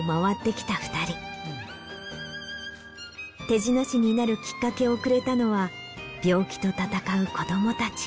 手品師になるきっかけをくれたのは病気と闘う子どもたち。